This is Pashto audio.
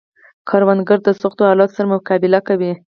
کروندګر د سختو حالاتو سره مقابله کوي